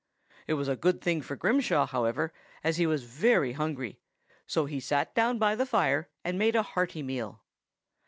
It was a good thing for Grimshaw, however, as he was very hungry; so he sat down by the fire and made a hearty meal.